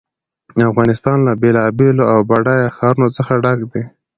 افغانستان له بېلابېلو او بډایه ښارونو څخه ډک دی.